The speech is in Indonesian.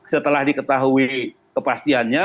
setelah diketahui kepastiannya